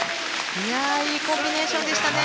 いいコンビネーションでしたね。